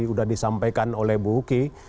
sudah disampaikan oleh bu uki